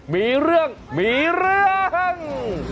มีเรื่องมีเรื่อง